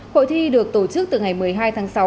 hội thi được tổ chức từ ngày một mươi hai tháng sáu